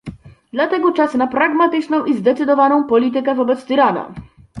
Dlatego czas na pragmatyczną i zdecydowaną politykę wobec tyrana